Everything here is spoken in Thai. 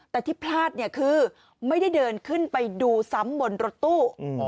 แต่ที่พลาดเนี่ยคือไม่ได้เดินขึ้นไปดูซ้ำบนรถตู้